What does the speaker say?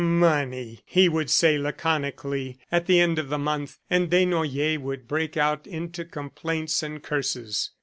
"Money!" he would say laconically at the end of the month, and Desnoyers would break out into complaints and curses.